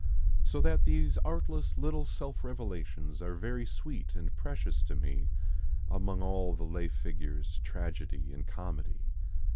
So that these artless little self revelations are very sweet and precious to me among all the lay figures, tragedy and comedy.